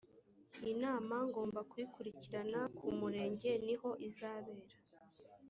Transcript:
inama ngomba kuyikurikirana k’umurenge niho izabera